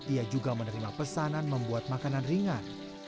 ia juga menerima pesanan membuat makanan ringan